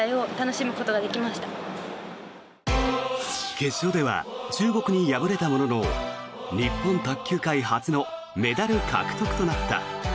決勝では中国に敗れたものの日本卓球界初のメダル獲得となった。